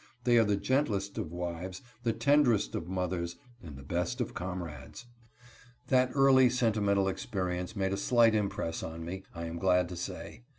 They are the gentlest of wives, the tenderest of mothers, and the best of comrades. That early sentimental experience made a slight impress on me, I am glad to say.